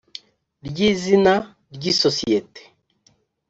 ry izina ry isosiyete